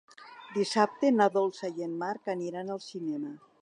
Dissabte na Dolça i en Marc aniran al cinema.